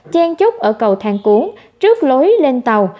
chen chúc ở cầu thang cũng trước lối lên tàu